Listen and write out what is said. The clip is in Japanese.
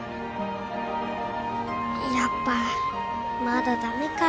やっぱまだ駄目か。